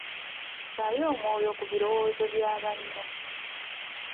Ssaayo omwoyo ku birowoozo bya banno .